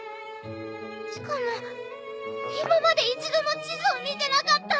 しかも今まで一度も地図を見てなかった！